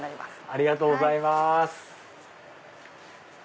ありがとうございます。